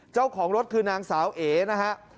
เจ้าของรถคือนางสาวเอนะฮะ